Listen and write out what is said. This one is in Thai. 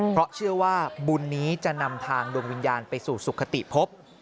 เพราะเชื่อว่าบุญนี้จะนำทางดวงวิญญาณไปสู่สุขติพบ